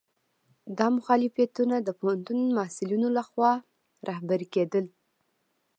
دا مخالفتونه د پوهنتون محصلینو لخوا رهبري کېدل.